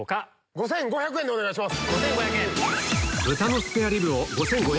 ５５００円でお願いします。